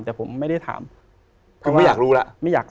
แต่ผมไม่ได้ถาม